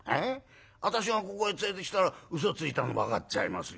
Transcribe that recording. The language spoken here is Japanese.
私がここへ連れてきたら嘘ついたの分かっちゃいますよ。